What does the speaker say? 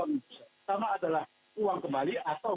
pertama adalah uang kembali atau